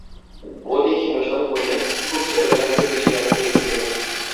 অতি ক্ষীণ স্বরে বললেন, খুব ছােটবেলায় তুমি পিঠে ব্যথা পেয়েছিলে।